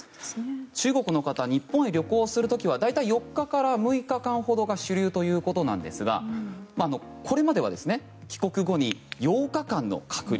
中国の方、日本へ旅行する時は大体、４日から６日間ほどが主流ということですがこれまでは帰国後に８日間の隔離。